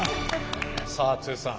さあ剛さん。